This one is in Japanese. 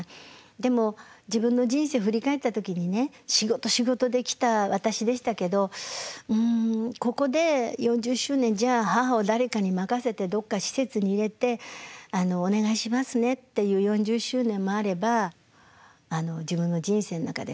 でも自分の人生振り返った時にね仕事仕事で来た私でしたけどうんここで４０周年じゃあ母を誰かに任せてどっか施設に入れて「お願いしますね」っていう４０周年もあれば自分の人生の中で後悔したくない。